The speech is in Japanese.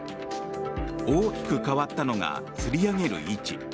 大きく変わったのがつり上げる位置。